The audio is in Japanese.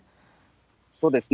そうですね。